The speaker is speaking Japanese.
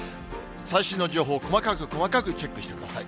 最新の情報を細かく細かくチェックしてください。